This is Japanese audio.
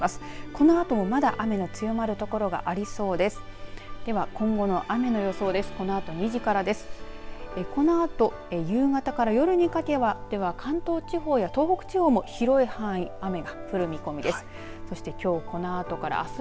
このあと、夕方から夜にかけては関東地方や東北地方も広い範囲雨が降る見込みです。